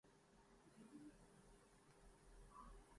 سکھ حکمرانوں نے لاہور کی قیمتی مغل یادگاروں کو لوٹا